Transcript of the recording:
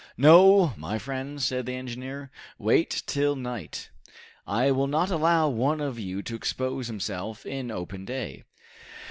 "No, my friends," said the engineer, "wait till night. I will not allow one of you to expose himself in open day."